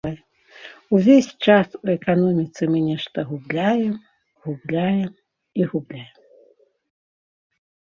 Увесь час у эканоміцы мы нешта губляем, губляем і губляем.